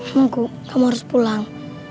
mangku kamu harus pulang